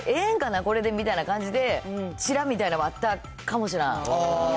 これでみたいな感じで、ちらみたいなのはあったかもしらん。